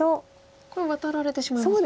これワタられてしまいますか？